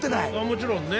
もちろんね。